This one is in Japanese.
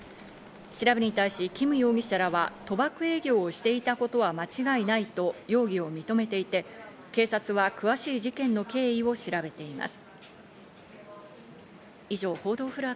調べに対しキム容疑者らは賭博営業をしていたことは間違いないと容疑を認めていて、警察は詳しい事件の経緯を調べています。